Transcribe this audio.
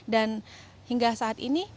dan hingga saat ini